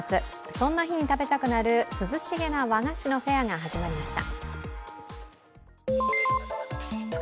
そんな日に食べたくなる涼しげな和菓子のフェアが始まりました。